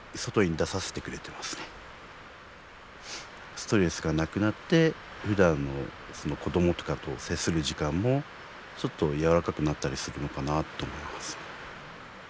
ストレスがなくなってふだんの子どもとかと接する時間もちょっと柔らかくなったりするのかなと思いますね。